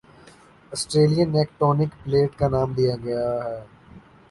Australian tectonic plate کا نام دیا گیا ہی